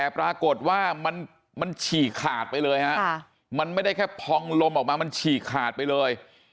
แต่ปรากฏว่ามันฉี่ขาดไปเลยฮะมันไม่ได้แค่พองลมออกมามันฉีกขาดไปเลย